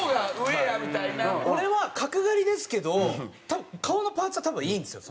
俺は角刈りですけど顔のパーツは多分いいんですよ